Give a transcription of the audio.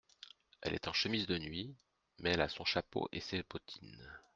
Elle est en chemise de nuit, mais elle a son chapeau et ses bottines.